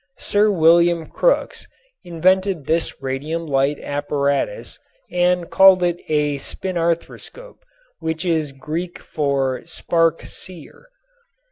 Sir William Crookes invented this radium light apparatus and called it a "spinthariscope," which is Greek for "spark seer."